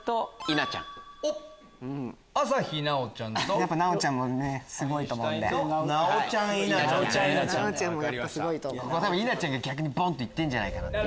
稲ちゃんが逆にボン！と行ってんじゃないかって。